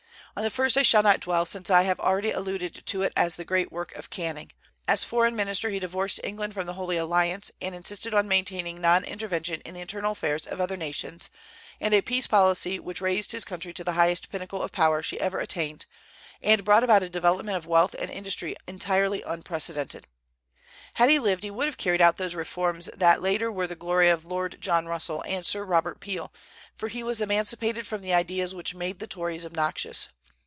On the first I shall not dwell, since I have already alluded to it as the great work of Canning. As foreign minister he divorced England from the Holy Alliance, and insisted on maintaining non intervention in the internal affairs of other nations, and a peace policy which raised his country to the highest pinnacle of power she ever attained, and brought about a development of wealth and industry entirely unprecedented. Had he lived he would have carried out those reforms that later were the glory of Lord John Russell and Sir Robert Peel, for he was emancipated from the ideas which made the Tories obnoxious.